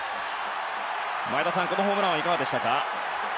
前田さん、このホームランはいかがでしたか。